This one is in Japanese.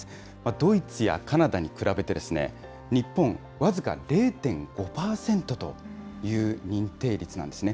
ドイツやカナダに比べて、日本僅か０．５％という認定率なんですね。